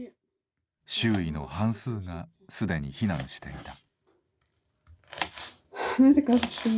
周囲の半数がすでに避難していた。